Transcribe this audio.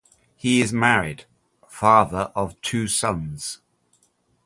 He is married, father of two sons.